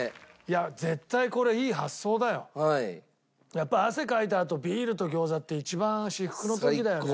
やっぱり汗かいたあとビールと餃子って一番至福の時だよね。